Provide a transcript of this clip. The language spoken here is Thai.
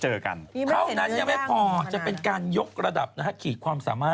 จากกระแสของละครกรุเปสันนิวาสนะฮะ